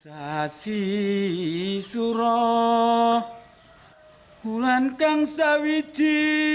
sasi suruh ulang kang sawitji